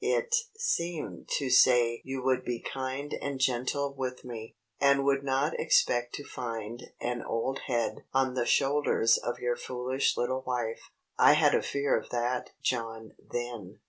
It seemed to say you would be kind and gentle with me, and would not expect to find an old head on the shoulders of your foolish little wife. I had a fear of that, John, then."